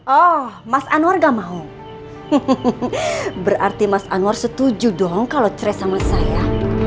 oh mas anwar gak mau berarti mas anwar setuju dong kalau cres sama saya